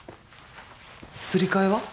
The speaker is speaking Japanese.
すり替えは？